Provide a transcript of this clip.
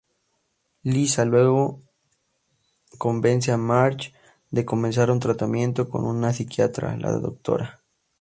Lisa, luego, convence a Marge de comenzar un tratamiento con una psiquiatra, la Dra.